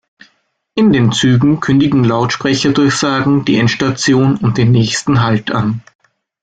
In den Zügen kündigen Lautsprecherdurchsagen die Endstation und den nächsten Halt an.